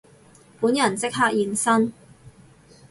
本人即刻現身